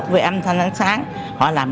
về âm thanh ánh sáng họ làm